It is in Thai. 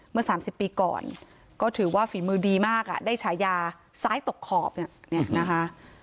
เมื่อสามสิบปีก่อนก็ถือว่าฝีมือดีมากอ่ะได้ใช้ยาซ้ายตกขอบเนี่ยเนี่ยนะคะ